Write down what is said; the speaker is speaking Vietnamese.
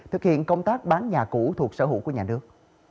thực hiện công tác bán nhà cũ thuộc sở hữu của nhà nước